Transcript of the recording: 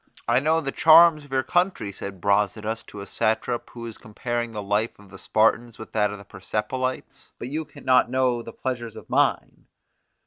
I know the charms of your country, said Brasidas to a satrap who was comparing the life of the Spartans with that of the Persepolites; but you can not know the pleasures of mine.